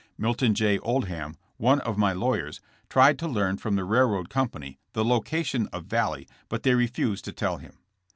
Milton J. Oldham, one of my lawyers, tried to learn from the railroad com pany the location of Vallee but they refused to tell him.